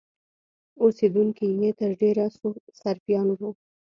اوسېدونکي یې تر ډېره سرفیان وو.